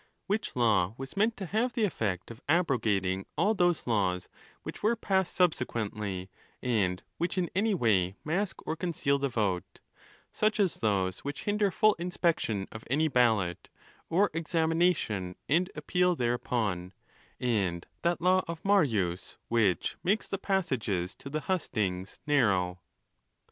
Which law was meant to have the effect of abrogating all those laws which were passed subsequently, and which in any way mask or conceal the vote; such as those which hinder full imspection of any ballot, or examination and appeal thereupon, and that law of Marius, which makes the passages to the hustings narrow.